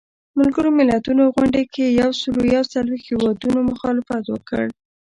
ملګرو ملتونو غونډې کې یو سلو یو څلویښت هیوادونو مخالفت وکړ.